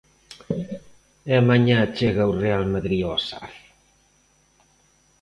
E mañá chega o Real Madrid ao Sar.